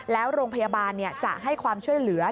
แล้วโรงพยาบาลจะให้ความช่วยเหลือ